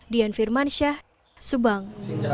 dian firman syah subang